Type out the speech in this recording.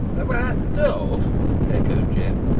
"A white dove!" echoed Jem.